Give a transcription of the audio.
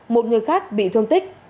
một người khác bị thương tích